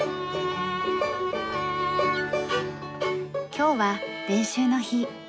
今日は練習の日。